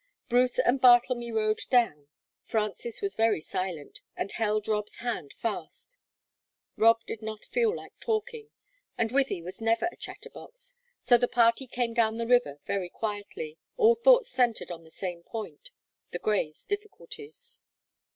Bruce and Bartlemy rowed down. Frances was very silent, and held Rob's hand fast; Rob did not feel like talking, and Wythie was never a chatterbox, so the party came down the river very quietly, all thoughts centered on the same point the Greys' difficulties.